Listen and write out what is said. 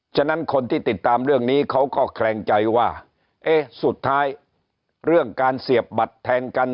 ฉะนั้นคนที่ติดตามเรื่องนี้เขาก็แขลงใจว่าเอ๊ะสุดท้ายเรื่องการเสียบบัตรแทนกัน